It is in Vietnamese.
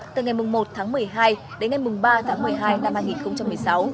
từ ngày một tháng một mươi hai đến ngày ba tháng một mươi hai năm hai nghìn một mươi sáu